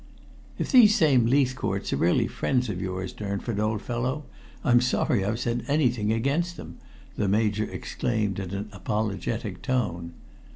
"If these same Leithcourts are really friends of yours, Durnford, old fellow, I'm sorry I've said anything against them," the Major exclaimed in an apologetic tone.